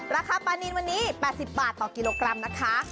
ราคาปลานินวันนี้๘๐บาทต่อกิโลกรัมนะคะ